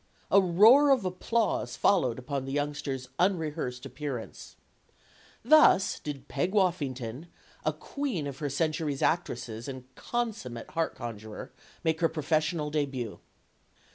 A roar of applause fol lowed upon the youngster's unrehearsed appearance. Thus did Peg Woffington, a queen of her century's actresses and consummate heart conjurer, make her professional debut.